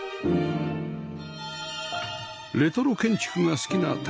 レトロ建築が好きな田中さん